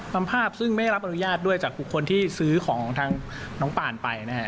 นำภาพซึ่งไม่ได้รับอนุญาตด้วยจากบุคคลที่ซื้อของทางน้องป่านไปนะฮะ